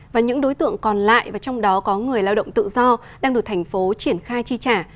và những đối tượng còn lại và trong đó có người lao động tự do đang được thành phố triển khai chi trả